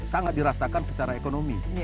sangat dirasakan secara ekonomi